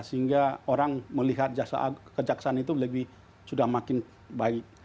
sehingga orang melihat kejaksaan itu sudah makin baik